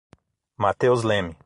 Mateus Leme